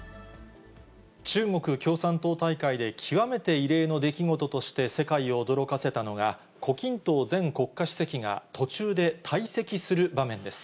中国共産党大会で、極めて異例の出来事として世界を驚かせたのが、胡錦濤前国家主席が途中で退席する場面です。